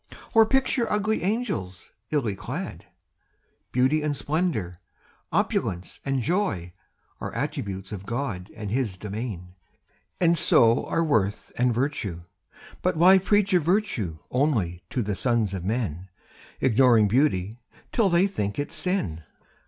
Or picture ugly angels, illy clad? Beauty and splendour, opulence and joy, Are attributes of God and His domain, And so are worth and virtue. But why preach Of virtue only to the sons of men, Ignoring beauty, till they think it sin?